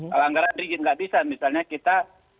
kalau anggaran digit nggak bisa misalnya kita